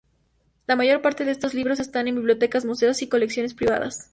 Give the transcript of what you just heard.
La mayor parte de estos libros están en bibliotecas, museos y colecciones privadas.